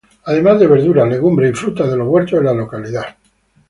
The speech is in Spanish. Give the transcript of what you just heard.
Además de verduras, legumbres y frutas de los huertos de la localidad.